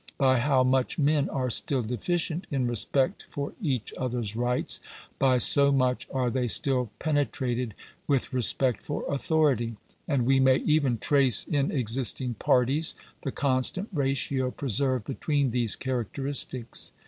By how much men are still deficient in respect for each others rights, by so much are they still penetrated with respect for authority ; and we may even trace in existing parties the constant ratio preserved between these characteristics.